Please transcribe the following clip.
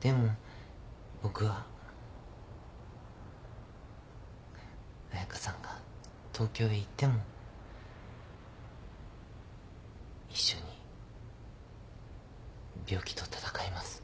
でも僕は彩佳さんが東京へ行っても一緒に病気と闘います。